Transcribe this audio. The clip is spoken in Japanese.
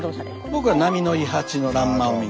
僕は波の伊八の欄間を見に。